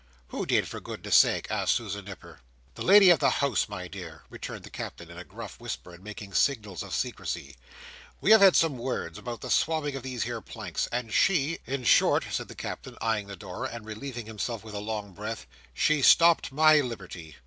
"Who did, for goodness sake?" asked Susan Nipper. "The lady of the house, my dear," returned the Captain, in a gruff whisper, and making signals of secrecy. "We had some words about the swabbing of these here planks, and she—In short," said the Captain, eyeing the door, and relieving himself with a long breath, "she stopped my liberty."